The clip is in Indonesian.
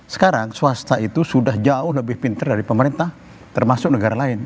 sekarang swasta itu sudah jauh lebih pinter dari pemerintah termasuk negara lain